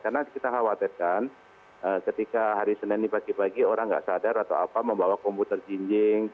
karena kita khawatirkan ketika hari senin ini pagi pagi orang tidak sadar atau apa membawa komputer jinjing